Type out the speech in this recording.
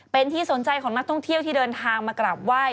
เป็นที่สนใจของนักท่องเที่ยวที่เดินทางมากราบไหว้